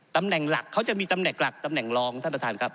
ตำแหน่งหลักเขาจะมีตำแหน่งหลักตำแหน่งรองท่านประธานครับ